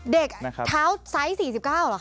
เด็กเท้าไซส์๔๙เหรอค